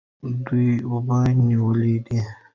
دوی اوبه نیولې دي.